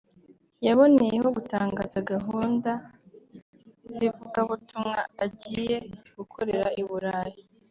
yaboneyeho gutangaza gahunda z'ivugabutumwa agiye gukorera i burayi